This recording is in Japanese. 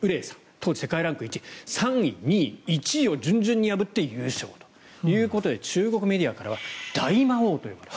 当時、世界ランク１位３位、２位、１位を順々に破って優勝ということで中国メディアは大魔王と呼ばれた。